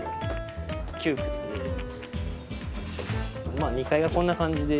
まあ２階がこんな感じで。